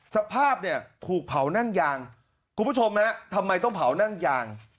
สภาพเนี่ยถูกเผานั่งยางคุณผู้ชมฮะทำไมต้องเผานั่งยาง